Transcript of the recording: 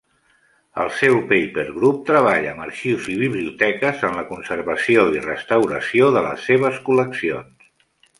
El seu Paper Group treballa amb arxius i biblioteques en la conservació i restauració de les seves col·leccions.